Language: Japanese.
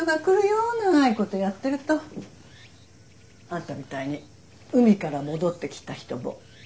あんたみたいに海から戻ってきた人も初めてじゃないよ。